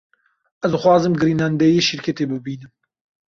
Ez dixwazim gerînendeyê şirketê bibînim.